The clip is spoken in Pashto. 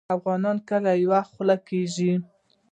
افغانان کله یوه خوله کیږي؟